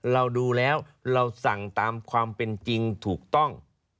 เราดูแล้วเราสั่งตามความเป็นจริงถูกต้อง